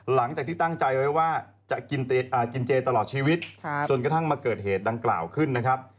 หลังจากที่ตั้งใจไว้ว่าจะกินเจตลอดชีวิตจนกระทั่งมาเกิดเหตุดังกล่าวขึ้นนะครับ